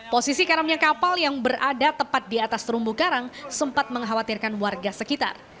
posisi karamnya kapal yang berada tepat di atas terumbu karang sempat mengkhawatirkan warga sekitar